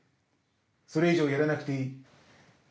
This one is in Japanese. それ以上やらなくていい。